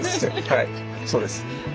はいそうです。